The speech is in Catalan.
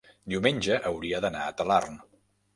diumenge hauria d'anar a Talarn.